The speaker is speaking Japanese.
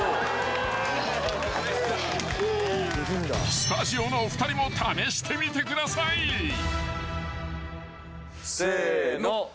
［スタジオのお二人も試してみてください］せの。